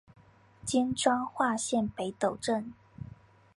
今彰化县北斗镇。